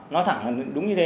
nói thẳng là đúng như thế